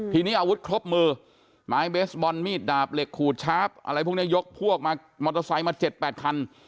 ทีนี้อาวุธครบมือไม้เบสบอลมีดดาบเหล็กขูดชาร์ฟอะไรพวกนี้ยกพวกมามอเตอร์ไซค์มา๗๘คัน